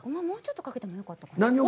もうちょっとかけてもよかったかな？